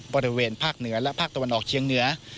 บริเวณภาคเหนือและภาคตะวันออกเชียงเหนือ